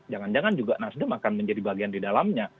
jangan jangan juga nasdem akan menjadi bagian di dalamnya